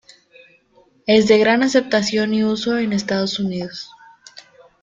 Es de gran aceptación y uso en los Estados Unidos.